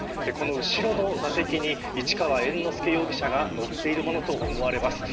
後ろの座席に市川猿之助容疑者が乗っているものと思われます。